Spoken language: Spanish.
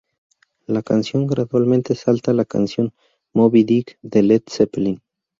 La canción gradualmente salta a la canción "Moby Dick" de Led Zeppelin.